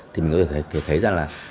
thì mình có thể thấy ra là